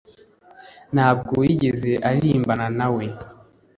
ntabwo yigeze aririmbana nawe